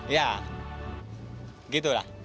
ya gitu lah